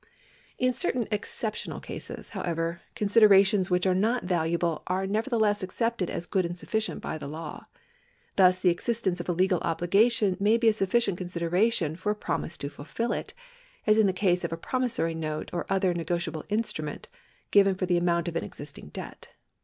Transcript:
In certain exceptional cases, however, considerations which are not valuable are nevertheless accepted as good and suffi cient by the law. Thus the existence of a legal obligation may be a sufficient consideration for a promise to fulfil it ; as in the case of a promissory note or other negotiable instru ment given for the amount of an existing debt.